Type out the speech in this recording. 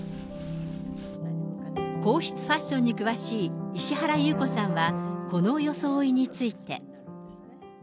皇室ファッションに詳しい石原裕子さんは、この装いについて。